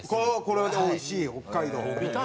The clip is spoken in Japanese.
これはおいしい北海道。